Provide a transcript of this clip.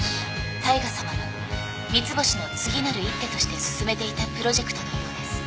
大海さまが三ツ星の次なる一手として進めていたプロジェクトのようです。